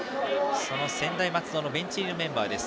専大松戸のベンチ入りのメンバーです。